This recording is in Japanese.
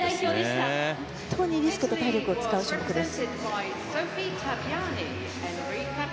本当にリスクと体力を使う種目です。